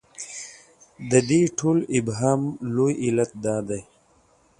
د دې ټول ابهام لوی علت دا دی.